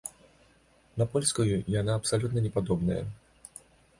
На польскую яна абсалютна не падобная.